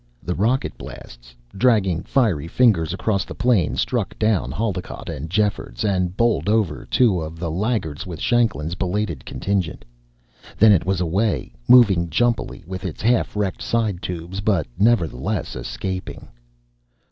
The rocket blasts, dragging fiery fingers across the plain, struck down Haldocott and Jeffords, and bowled over two of the laggards with Shanklin's belated contingent. Then it was away, moving jumpily with its half wrecked side tubes, but nevertheless escaping.